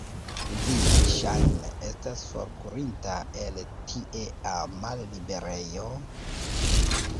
Vi, ŝajne, estas forkurinta el tiea malliberejo?